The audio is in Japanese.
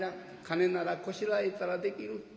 金ならこしらえたらできる」。